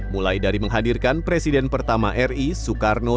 mulai dari menghadirkan presiden pertama ri soekarno